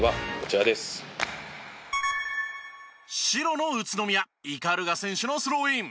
白の宇都宮鵤選手のスローイン。